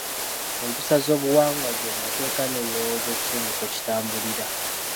Empisa z'obuwangwa g'emateeka n'ebirowoozo ekitundu kwe kitambulira.